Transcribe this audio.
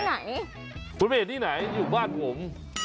ไหนคุณไปเห็นที่ไหนอยู่บ้านผม